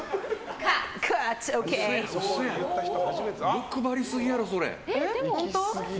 欲張りすぎやろ、それ。